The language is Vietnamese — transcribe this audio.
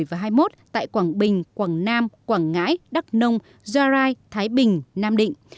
và hai mươi một tại quảng bình quảng nam quảng ngãi đắk nông gia rai thái bình nam định